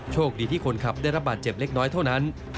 โชคดีที่คนขับได้รับบาดเจ็บเล็กน้อยเท่านั้น